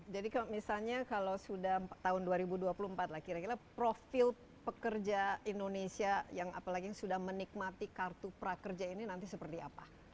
jadi misalnya kalau sudah tahun dua ribu dua puluh empat lah kira kira profil pekerja indonesia yang apalagi sudah menikmati kartu prakerja ini nanti seperti apa